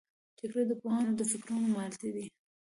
جګړه د پوهانو د فکرونو ماتې ده